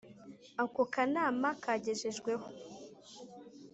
ako kanama kagejejweho